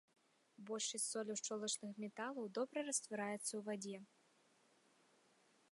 Большасць соляў шчолачных металаў добра раствараецца ў вадзе.